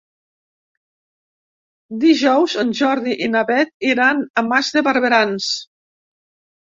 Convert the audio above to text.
Dijous en Jordi i na Beth iran a Mas de Barberans.